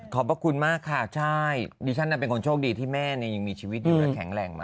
พระคุณมากค่ะใช่ดิฉันเป็นคนโชคดีที่แม่ยังมีชีวิตอยู่และแข็งแรงมาก